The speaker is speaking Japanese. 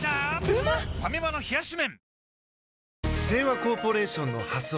ファミマの冷し麺